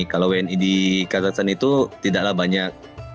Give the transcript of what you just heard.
kalau wni di kazakhstan itu tidaklah banyak